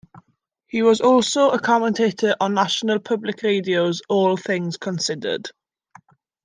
He was also a commentator on National Public Radio's "All Things Considered".